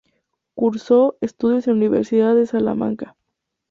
Cursó estudios en la Universidad de Salamanca.